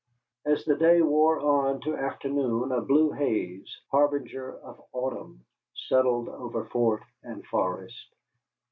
As the day wore on to afternoon a blue haze harbinger of autumn settled over fort and forest.